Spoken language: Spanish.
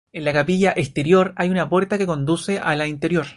En la capilla exterior hay una puerta que conduce a la interior.